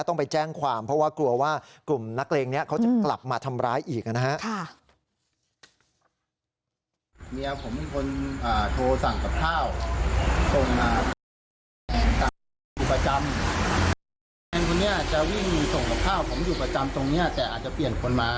ต้องไปแจ้งความเพราะว่ากลัวว่ากลุ่มนักเล็งเนี่ย